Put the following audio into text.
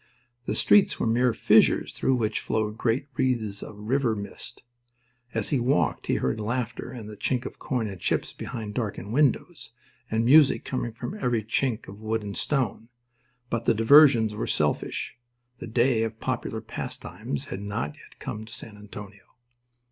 The streets were mere fissures through which flowed grey wreaths of river mist. As he walked he heard laughter and the chink of coin and chips behind darkened windows, and music coming from every chink of wood and stone. But the diversions were selfish; the day of popular pastimes had not yet come to San Antonio.